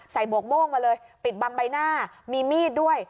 หมวกโม่งมาเลยปิดบังใบหน้ามีมีดด้วย